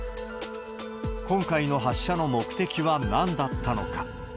今回の発射の目的はなんだったのか。